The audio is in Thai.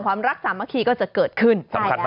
ความรักสามัคคีก็จะเกิดขึ้น